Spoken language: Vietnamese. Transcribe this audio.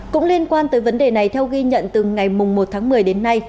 cũng liên quan tới vấn đề này theo ghi nhận từ ngày một tháng một mươi đến nay